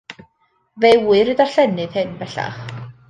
Fe ŵyr y darllenydd hyn bellach.